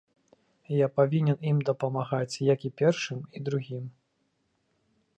Я павінен ім дапамагаць, як і першым і другім.